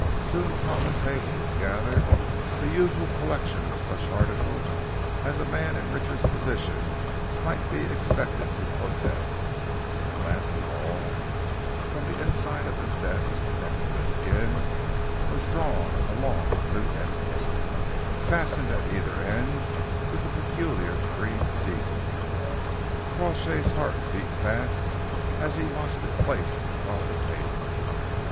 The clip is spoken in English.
Soon upon the table was gathered the usual collection of such articles as a man in Richard's position might be expected to possess, and last of all, from the inside of his vest, next to his skin, was drawn a long blue envelope, fastened at either end with a peculiar green seal. Crawshay's heart beat fast as he watched it placed upon the table.